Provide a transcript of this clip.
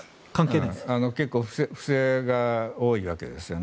結構、不正が多いわけですよね。